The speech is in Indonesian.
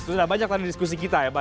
sudah banyak tadi diskusi kita ya pak